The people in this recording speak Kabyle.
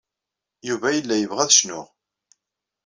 Yuba yella yebɣa ad cnuɣ.